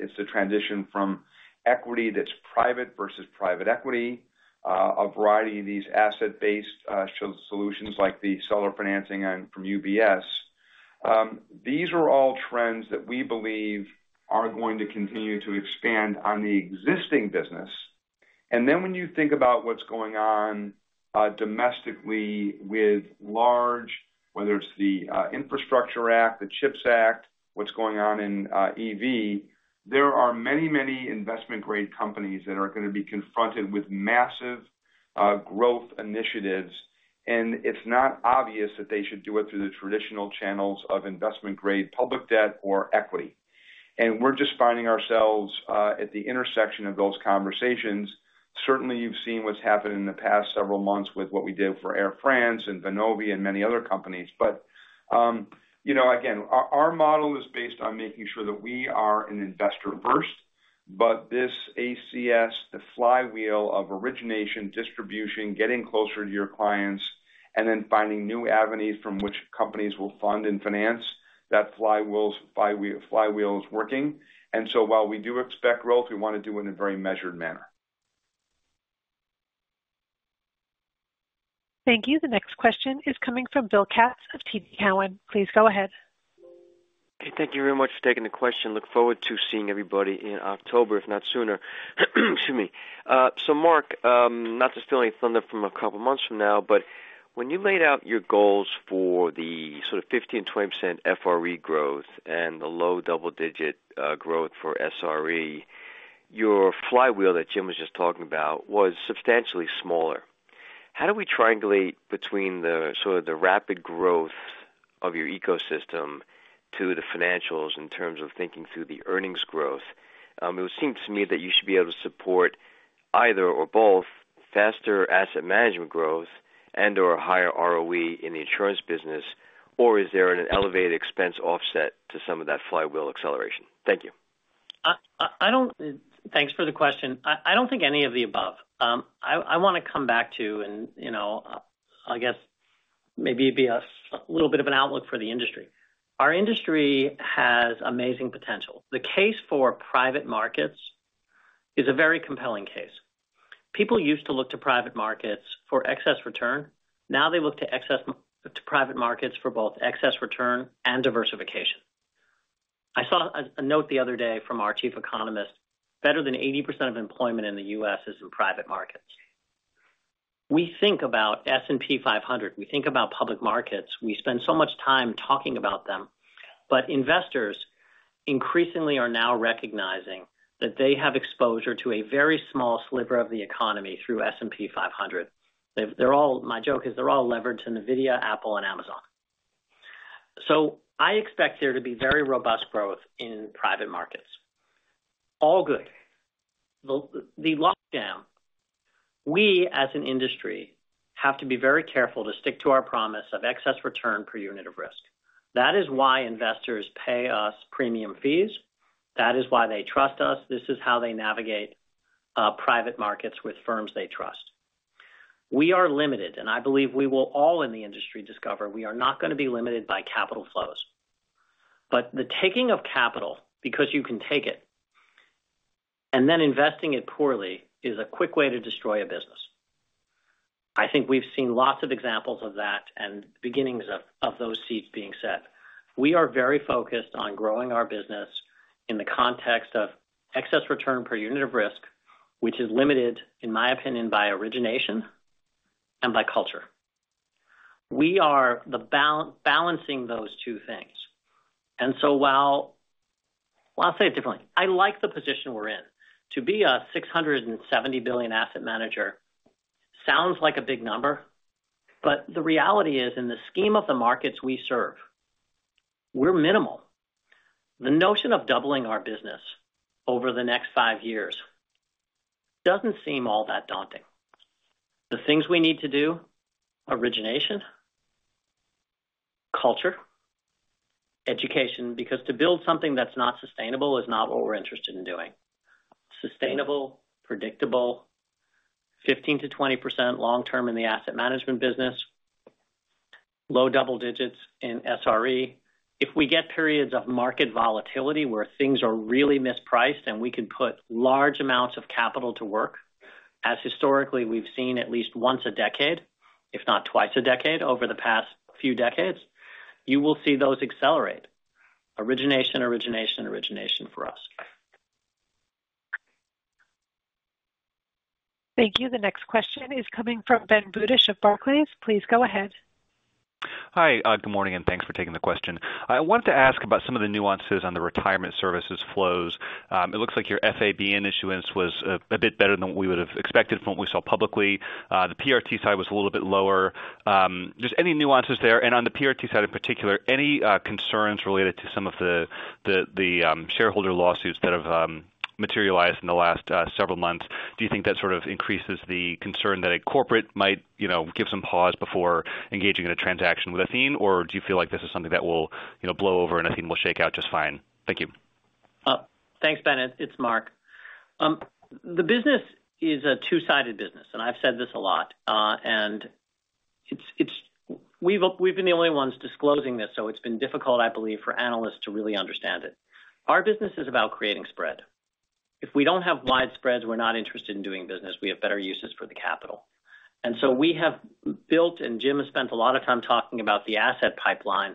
it's the transition from equity that's private versus private equity, a variety of these asset-based solutions like the seller financing and from UBS. These are all trends that we believe are going to continue to expand on the existing business. And then when you think about what's going on domestically with large, whether it's the Infrastructure Act, the CHIPS Act, what's going on in EV, there are many, many investment grade companies that are gonna be confronted with massive growth initiatives, and it's not obvious that they should do it through the traditional channels of investment grade, public debt or equity. And we're just finding ourselves at the intersection of those conversations. Certainly, you've seen what's happened in the past several months with what we did for Air France and Vonovia and many other companies. But, you know, again, our model is based on making sure that we are an investor first, but this ACS, the flywheel of origination, distribution, getting closer to your clients, and then finding new avenues from which companies will fund and finance, that flywheel is working. And so while we do expect growth, we want to do in a very measured manner. Thank you. The next question is coming from Bill Katz of TD Cowen. Please go ahead. Thank you very much for taking the question. Look forward to seeing everybody in October, if not sooner. Excuse me. So Marc, not to steal any thunder from a couple months from now, but when you laid out your goals for the sort of 15%-20% FRE growth and the low double-digit growth for SRE, your flywheel that Jim was just talking about was substantially smaller. ... How do we triangulate between the sort of the rapid growth of your ecosystem to the financials in terms of thinking through the earnings growth? It would seem to me that you should be able to support either or both faster asset management growth and/or higher ROE in the insurance business, or is there an elevated expense offset to some of that flywheel acceleration? Thank you. Thanks for the question. I don't think any of the above. I wanna come back to, you know, I guess maybe it'd be a little bit of an outlook for the industry. Our industry has amazing potential. The case for private markets is a very compelling case. People used to look to private markets for excess return. Now they look to excess to private markets for both excess return and diversification. I saw a note the other day from our chief economist, better than 80% of employment in the U.S. is in private markets. We think about S&P 500, we think about public markets, we spend so much time talking about them, but investors increasingly are now recognizing that they have exposure to a very small sliver of the economy through S&P 500. They're all. My joke is they're all leveraged in NVIDIA, Apple, and Amazon. So I expect there to be very robust growth in private markets. All good. The lockdown, we, as an industry, have to be very careful to stick to our promise of excess return per unit of risk. That is why investors pay us premium fees. That is why they trust us. This is how they navigate private markets with firms they trust. We are limited, and I believe we will all in the industry discover we are not gonna be limited by capital flows. But the taking of capital because you can take it, and then investing it poorly, is a quick way to destroy a business. I think we've seen lots of examples of that and beginnings of those seeds being set. We are very focused on growing our business in the context of excess return per unit of risk, which is limited, in my opinion, by origination and by culture. We are balancing those two things, and so. Well, I'll say it differently. I like the position we're in. To be a $670 billion asset manager sounds like a big number, but the reality is, in the scheme of the markets we serve, we're minimal. The notion of doubling our business over the next 5 years doesn't seem all that daunting. The things we need to do, origination, culture, education, because to build something that's not sustainable is not what we're interested in doing. Sustainable, predictable, 15%-20% long-term in the asset management business, low double digits in SRE. If we get periods of market volatility where things are really mispriced, and we can put large amounts of capital to work, as historically we've seen at least once a decade, if not twice a decade, over the past few decades, you will see those accelerate. Origination, origination, origination for us. Thank you. The next question is coming from Ben Budish of Barclays. Please go ahead. Hi, good morning, and thanks for taking the question. I wanted to ask about some of the nuances on the retirement services flows. It looks like your FABN issuance was a bit better than what we would have expected from what we saw publicly. The PRT side was a little bit lower. Just any nuances there, and on the PRT side in particular, any concerns related to some of the shareholder lawsuits that have materialized in the last several months? Do you think that sort of increases the concern that a corporate might, you know, give some pause before engaging in a transaction with Athene? Or do you feel like this is something that will, you know, blow over, and Athene will shake out just fine? Thank you. Thanks, Ben. It's Marc. The business is a two-sided business, and I've said this a lot, and it's... We've been the only ones disclosing this, so it's been difficult, I believe, for analysts to really understand it. Our business is about creating spread. If we don't have wide spreads, we're not interested in doing business. We have better uses for the capital. And so we have built, and Jim has spent a lot of time talking about the asset pipeline,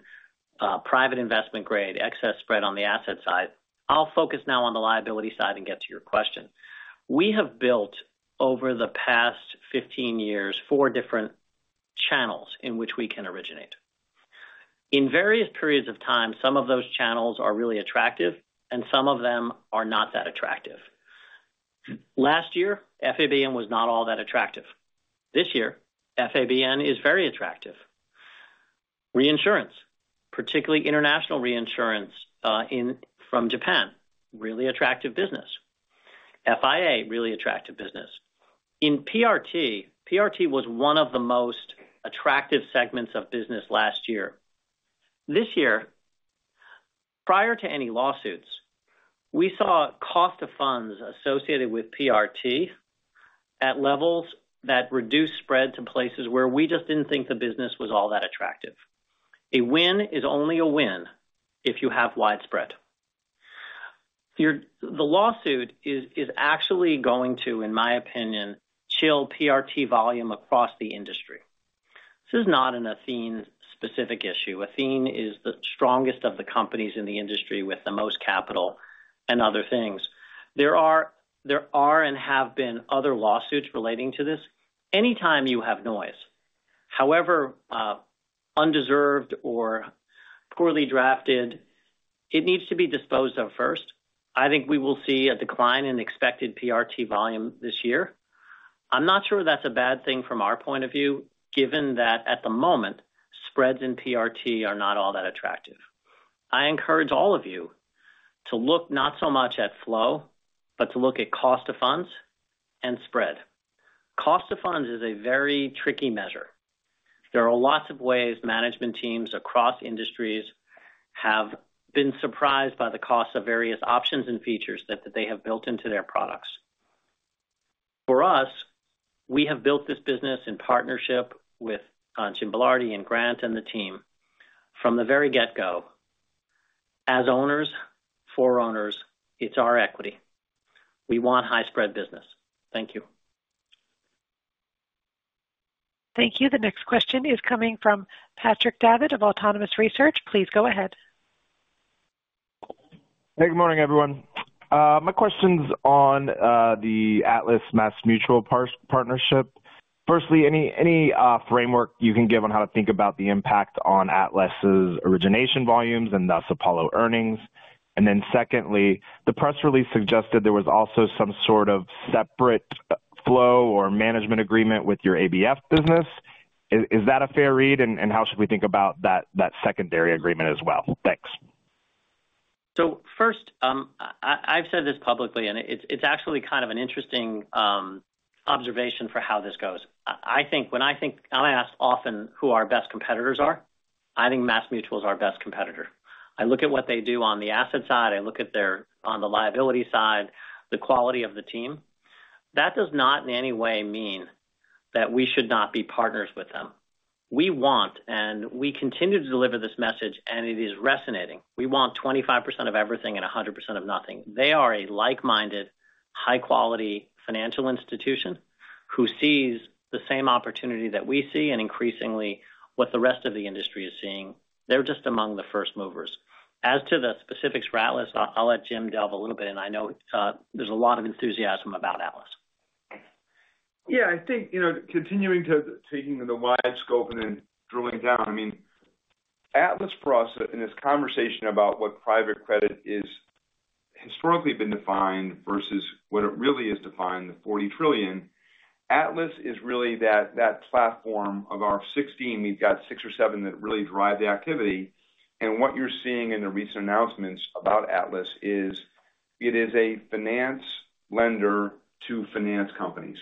private investment grade, excess spread on the asset side. I'll focus now on the liability side and get to your question. We have built, over the past 15 years, four different channels in which we can originate. In various periods of time, some of those channels are really attractive, and some of them are not that attractive. Last year, FABN was not all that attractive. This year, FABN is very attractive. Reinsurance, particularly international reinsurance, in from Japan, really attractive business. FIA, really attractive business. In PRT, PRT was one of the most attractive segments of business last year. This year, prior to any lawsuits, we saw cost of funds associated with PRT at levels that reduced spread to places where we just didn't think the business was all that attractive. A win is only a win if you have widespread. Your-- The lawsuit is actually going to, in my opinion, chill PRT volume across the industry. This is not an Athene-specific issue. Athene is the strongest of the companies in the industry with the most capital and other things. There are, there are and have been other lawsuits relating to this. Anytime you have noise-... However, undeserved or poorly drafted, it needs to be disposed of first. I think we will see a decline in expected PRT volume this year. I'm not sure that's a bad thing from our point of view, given that at the moment, spreads in PRT are not all that attractive. I encourage all of you to look not so much at flow, but to look at cost of funds and spread. Cost of funds is a very tricky measure. There are lots of ways management teams across industries have been surprised by the cost of various options and features that they have built into their products. For us, we have built this business in partnership with Jim Belardi and Grant and the team. From the very get-go, as owners, for owners, it's our equity. We want high spread business. Thank you. Thank you. The next question is coming from Patrick Davitt of Autonomous Research. Please go ahead. Hey, good morning, everyone. My question's on the Atlas MassMutual partnership. Firstly, any framework you can give on how to think about the impact on Atlas' origination volumes and thus Apollo earnings? And then secondly, the press release suggested there was also some sort of separate flow or management agreement with your ABF business. Is that a fair read, and how should we think about that secondary agreement as well? Thanks. So first, I've said this publicly, and it's actually kind of an interesting observation for how this goes. I think when I'm asked often who our best competitors are. I think MassMutual is our best competitor. I look at what they do on the asset side, I look at their on the liability side, the quality of the team. That does not in any way mean that we should not be partners with them. We want, and we continue to deliver this message, and it is resonating. We want 25% of everything and 100% of nothing. They are a like-minded, high-quality financial institution, who sees the same opportunity that we see and increasingly what the rest of the industry is seeing. They're just among the first movers. As to the specifics for Atlas, I'll let Jim delve a little bit in. I know, there's a lot of enthusiasm about Atlas. Yeah, I think, you know, continuing to taking the wide scope and then drilling down, I mean, Atlas, for us, in this conversation about what private credit is historically been defined versus what it really is defined, the $40 trillion. Atlas is really that, that platform of our 16, we've got 6 or 7 that really drive the activity. And what you're seeing in the recent announcements about Atlas is, it is a finance lender to finance companies,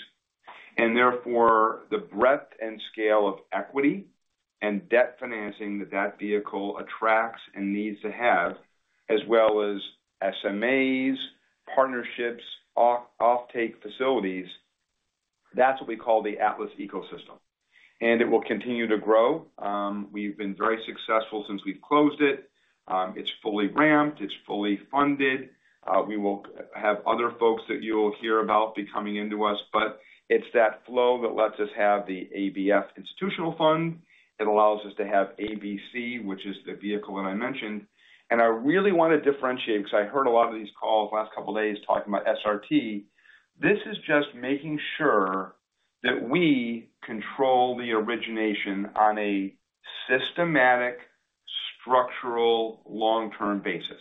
and therefore, the breadth and scale of equity and debt financing that that vehicle attracts and needs to have, as well as SMAs, partnerships, offtake facilities. That's what we call the Atlas ecosystem, and it will continue to grow. We've been very successful since we've closed it. It's fully ramped. It's fully funded. We will have other folks that you'll hear about be coming into us, but it's that flow that lets us have the ABF institutional fund. It allows us to have ABC, which is the vehicle that I mentioned. And I really want to differentiate, because I heard a lot of these calls last couple of days talking about SRT. This is just making sure that we control the origination on a systematic, structural, long-term basis,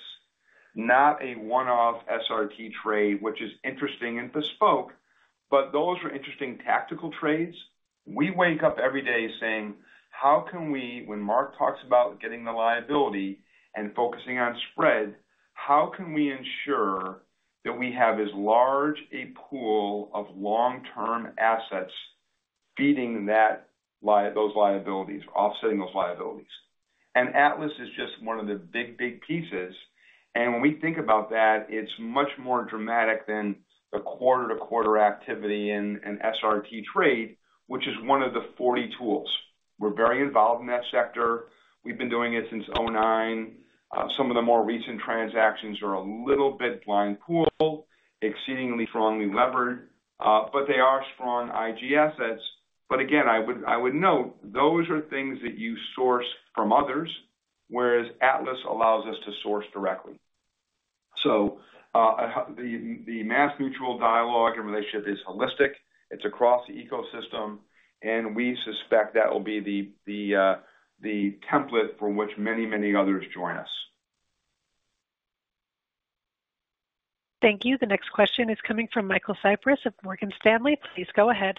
not a one-off SRT trade, which is interesting and bespoke, but those are interesting tactical trades. We wake up every day saying: How can we, when Marc talks about getting the liability and focusing on spread, how can we ensure that we have as large a pool of long-term assets feeding those liabilities, offsetting those liabilities? Atlas is just one of the big, big pieces, and when we think about that, it's much more dramatic than the quarter-to-quarter activity in an SRT trade, which is one of the 40 tools. We're very involved in that sector. We've been doing it since 2009. Some of the more recent transactions are a little bit blind pool, exceedingly strongly levered, but they are strong IG assets. But again, I would note, those are things that you source from others, whereas Atlas allows us to source directly. So, the MassMutual dialogue and relationship is holistic. It's across the ecosystem, and we suspect that will be the template from which many, many others join us. Thank you. The next question is coming from Michael Cyprys of Morgan Stanley. Please go ahead.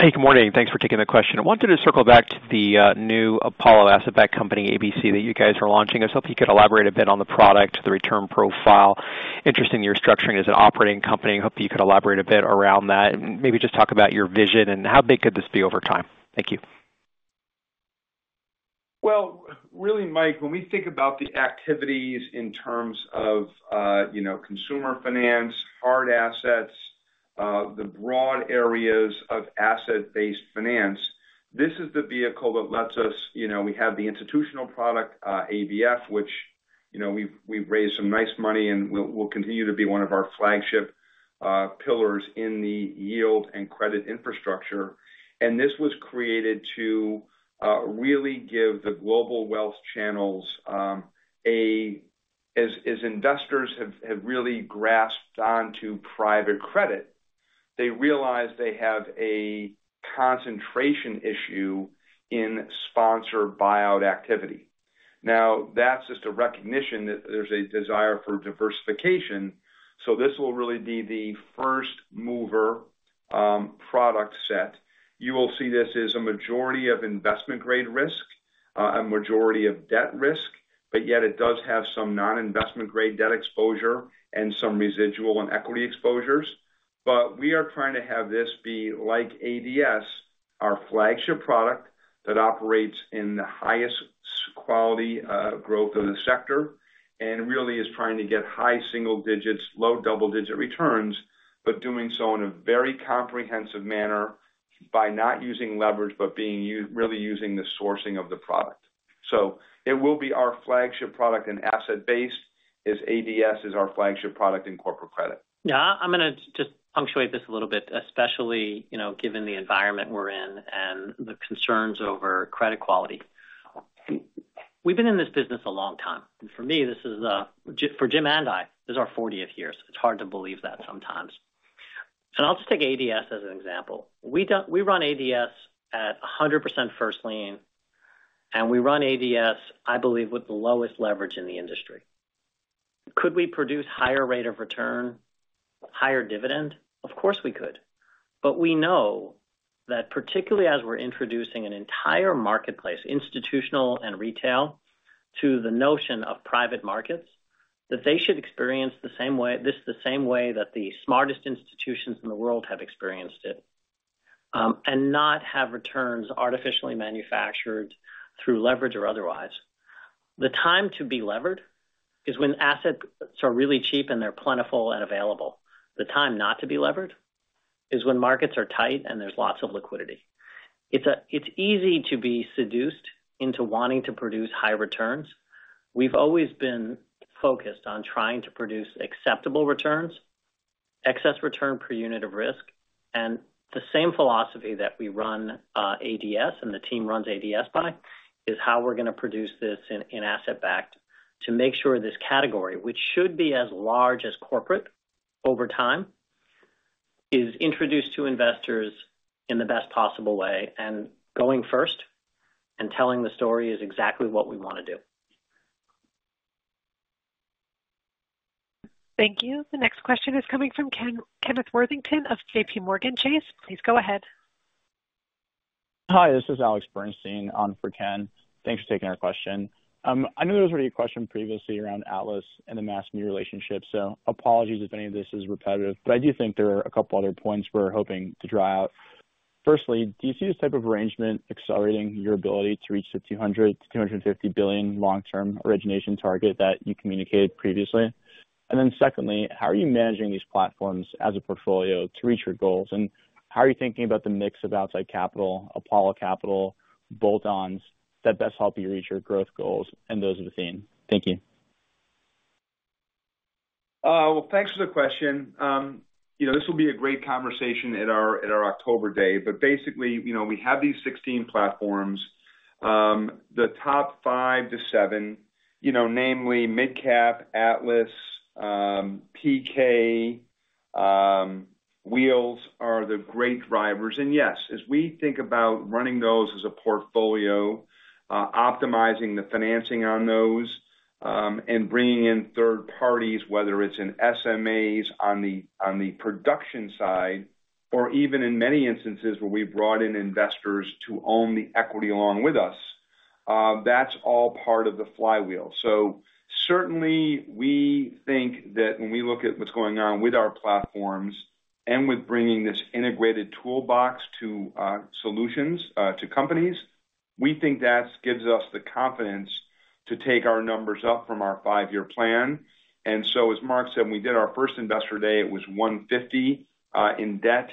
Hey, good morning. Thanks for taking the question. I wanted to circle back to the new Apollo Asset-Backed Credit Company, ABC, that you guys are launching. I was hoping you could elaborate a bit on the product, the return profile. Interesting, you're structuring as an operating company. I hope you could elaborate a bit around that, and maybe just talk about your vision and how big could this be over time. Thank you. Well, really, Mike, when we think about the activities in terms of, you know, consumer finance, hard assets, the broad areas of asset-based finance, this is the vehicle that lets us, you know, we have the institutional product, ABF, which, you know, we've raised some nice money and will continue to be one of our flagship pillars in the yield and credit infrastructure. And this was created to really give the global wealth channels. As investors have really grasped onto private credit, they realize they have a concentration issue in sponsor buyout activity. Now, that's just a recognition that there's a desire for diversification, so this will really be the first mover product set. You will see this as a majority of investment-grade risk, a majority of debt risk, but yet it does have some non-investment-grade debt exposure and some residual and equity exposures. But we are trying to have this be like ADS, our flagship product that operates in the highest quality, growth in the sector, and really is trying to get high single digits, low double-digit returns, but doing so in a very comprehensive manner by not using leverage, but being really using the sourcing of the product. So it will be our flagship product and asset base, as ADS is our flagship product in corporate credit. Yeah, I'm gonna just punctuate this a little bit, especially, you know, given the environment we're in and the concerns over credit quality. We've been in this business a long time. For me, this is for Jim and I, this is our 40th year, so it's hard to believe that sometimes. I'll just take ADS as an example. We run ADS at 100% first lien, and we run ADS, I believe, with the lowest leverage in the industry. Could we produce higher rate of return, higher dividend? Of course, we could. But we know that particularly as we're introducing an entire marketplace, institutional and retail, to the notion of private markets, that they should experience the same way that the smartest institutions in the world have experienced it, and not have returns artificially manufactured through leverage or otherwise. The time to be levered is when assets are really cheap, and they're plentiful and available. The time not to be levered is when markets are tight and there's lots of liquidity. It's, it's easy to be seduced into wanting to produce high returns. We've always been focused on trying to produce acceptable returns, excess return per unit of risk. And the same philosophy that we run, ADS and the team runs ADS by, is how we're gonna produce this in asset-backed to make sure this category, which should be as large as corporate over time, is introduced to investors in the best possible way, and going first and telling the story is exactly what we wanna do. Thank you. The next question is coming from Kenneth Worthington of JPMorgan Chase. Please go ahead. Hi, this is Alex Bernstein on for Ken. Thanks for taking our question. I know there was already a question previously around Atlas and the Athene relationship, so apologies if any of this is repetitive, but I do think there are a couple other points we're hoping to draw out. Firstly, do you see this type of arrangement accelerating your ability to reach the $200 billion-$250 billion long-term origination target that you communicated previously? And then secondly, how are you managing these platforms as a portfolio to reach your goals? And how are you thinking about the mix of outside capital, Apollo Capital, bolt-ons, that best help you reach your growth goals and those of Athene? Thank you. Well, thanks for the question. You know, this will be a great conversation at our October Investor Day, but basically, you know, we have these 16 platforms. The top 5-7, you know, namely MidCap, Atlas, PK, Wheels, are the great drivers. And yes, as we think about running those as a portfolio, optimizing the financing on those, and bringing in third parties, whether it's in SMAs on the production side, or even in many instances where we've brought in investors to own the equity along with us, that's all part of the flywheel. So certainly, we think that when we look at what's going on with our platforms and with bringing this integrated toolbox to solutions to companies, we think that gives us the confidence to take our numbers up from our 5-year plan. So, as Mark said, when we did our first Investor Day, it was 150 in debt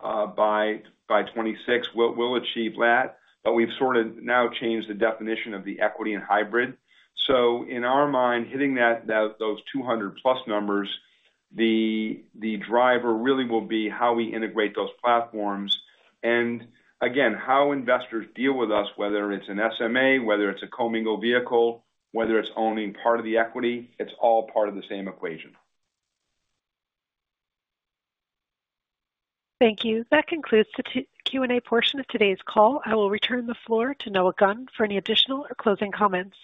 by 2026, we'll achieve that, but we've sort of now changed the definition of the equity and hybrid. So in our mind, hitting that those 200+ numbers, the driver really will be how we integrate those platforms. And again, how investors deal with us, whether it's an SMA, whether it's a commingled vehicle, whether it's owning part of the equity, it's all part of the same equation. Thank you. That concludes the Q&A portion of today's call. I will return the floor to Noah Gunn for any additional or closing comments.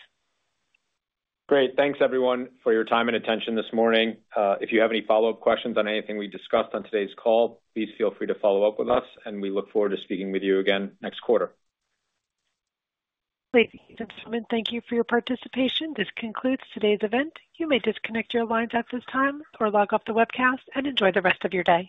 Great. Thanks, everyone, for your time and attention this morning. If you have any follow-up questions on anything we discussed on today's call, please feel free to follow up with us, and we look forward to speaking with you again next quarter. Ladies and gentlemen, thank you for your participation. This concludes today's event. You may disconnect your lines at this time or log off the webcast and enjoy the rest of your day.